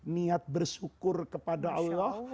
niat bersyukur kepada allah